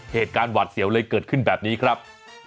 เหตุการณ์หวัดเสียวเลยเกิดขึ้นแบบนี้ครับ